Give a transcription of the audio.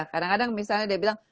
kadang kadang misalnya dia bilang